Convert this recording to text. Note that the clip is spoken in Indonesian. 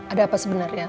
ada apa sebenarnya